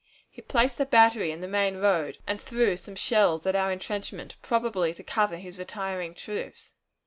He placed a battery in the main road and threw some shells at our intrenchment, probably to cover his retiring troops.